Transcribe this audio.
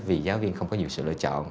vì giáo viên không có nhiều sự lựa chọn